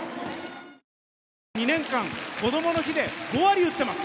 ２年間、こどもの日で５割打ってます！